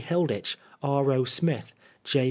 Hilditch, R. 0. Smith, J.